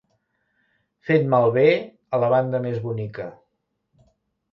Fet malbé a la banda més bonica.